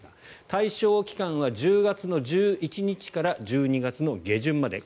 対象期間は１０月１１日から１２月下旬まで。